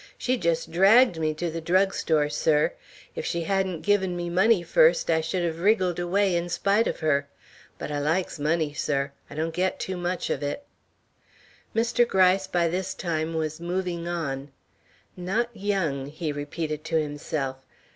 She just dragged me to the drug store, sir. If she hadn't given me money first, I should have wriggled away in spite of her. But I likes money, sir; I don't get too much of it." Mr. Gryce by this time was moving on. "Not young," he repeated to himself.